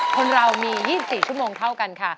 คนเรามี๒๔ชั่วโมงเท่ากันค่ะ